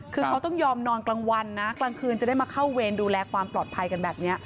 คือเขาต้องยอมนอนกลางวันนะกลางคืนจะได้มาเข้าเวรดูแลความปลอดภัยกันแบบนี้